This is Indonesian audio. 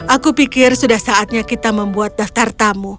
aku pikir sudah saatnya kita membuat daftar tamu